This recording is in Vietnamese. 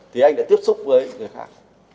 thì anh đã tiếp xúc với người khác